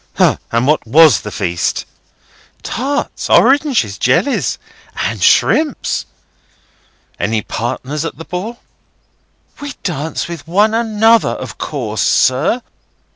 "Hah! And what was the feast?" "Tarts, oranges, jellies, and shrimps." "Any partners at the ball?" "We danced with one another, of course, sir.